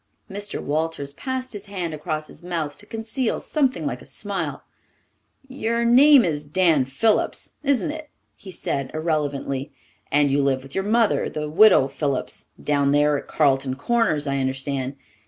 Mr. Walters passed his hand across his mouth to conceal something like a smile. "Your name is Dan Phillips, isn't it?" he said irrelevantly, "and you live with your mother, the Widow Phillips, down there at Carleton Corners, I understand."